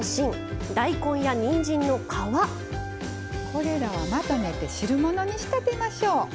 これらはまとめて汁物に仕立てましょう。